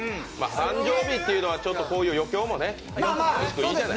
誕生日っていうのはこういう余興もいいんじゃない？